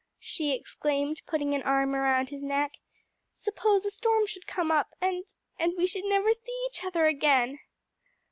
she exclaimed, putting an arm around his neck. "Suppose a storm should come up, and and we should never see each other again."